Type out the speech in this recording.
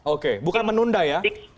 oke bukan menunda ya